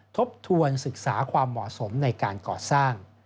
ทบทวนศึกษาความเหมาะสมในการก่อสร้าง